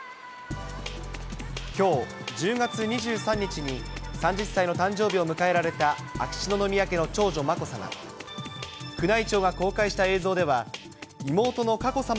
きょう１０月２３日に３０歳の誕生日を迎えられた秋篠宮家の長女、まこさま。